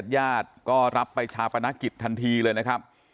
ญาติก็รับไปชาปนกิจทันทีเลยนะครับ